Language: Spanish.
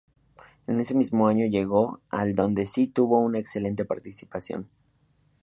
En ese mismo año llegó al donde si tuvo una excelente participación.